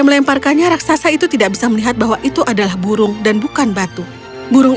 melemparkannya raksasa itu tidak bisa melihat bahwa itu adalah burung dan bukan batu burung